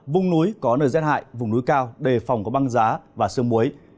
vùng núi có nơi rét hại vùng núi cao đề phòng có băng giá và sương muối